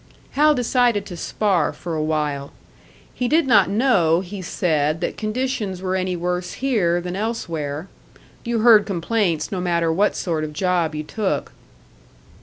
Hal decided to spar for a while. He did not know, he said, that conditions were any worse here than elsewhere. You heard complaints, no matter what sort of job you took.